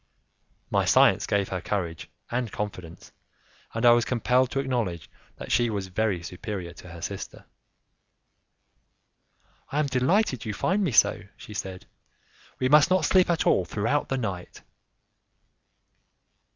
My science gave her courage and confidence, and I was compelled to acknowledge that she was very superior to her sister. "I am delighted you find me so," she said; "we must not sleep at all throughout the night."